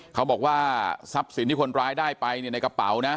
เขาบอกว่าทรัพย์สินที่คนร้ายได้ไปเนี่ยในกระเป๋านะ